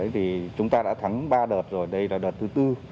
thì chúng ta đã thắng ba đợt rồi đây là đợt thứ tư